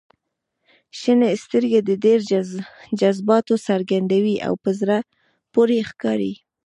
• شنې سترګې د ډېر جذباتو څرګندوي او په زړه پورې ښکاري.